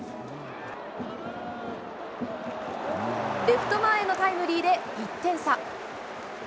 レフト前へのタイムリーで１点差。